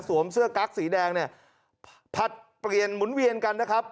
เสื้อกั๊กสีแดงเนี่ยผลัดเปลี่ยนหมุนเวียนกันนะครับ